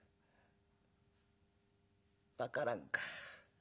「分からんか。